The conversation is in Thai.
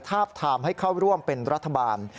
ทาบทามให้เข้าร่วมเป็นรัฐบาล